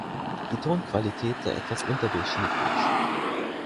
Die Tonqualität sei etwas unterdurchschnittlich.